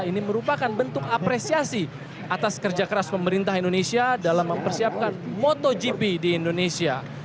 ini merupakan bentuk apresiasi atas kerja keras pemerintah indonesia dalam mempersiapkan motogp di indonesia